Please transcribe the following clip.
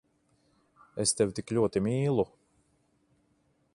Es tevi tik ļoti mīlu…